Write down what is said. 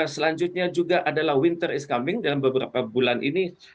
selanjutnya juga adalah winter is coming dalam beberapa bulan ini